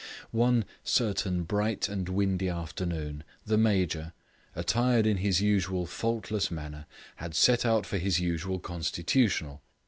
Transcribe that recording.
One certain bright and windy afternoon, the Major, attired in his usual faultless manner, had set out for his usual constitutional.